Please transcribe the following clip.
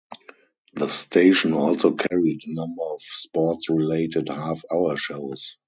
The station also carried a number of sports-related half-hour shows.